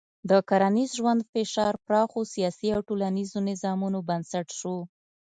د کرنیز ژوند فشار پراخو سیاسي او ټولنیزو نظامونو بنسټ شو.